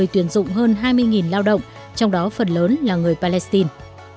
cùng hơn hai mươi lao động trong đó phần lớn là người palestine